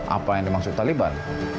apa yang dimaksud taliban